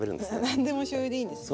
何でもしょうゆでいいんですね。